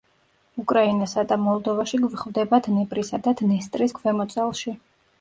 უკრაინასა და მოლდოვაში გვხვდება დნეპრისა და დნესტრის ქვემოწელში.